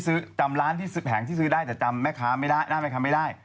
จำร้านแผงที่ซื้อได้แต่จำแม่ค้าไม่ได้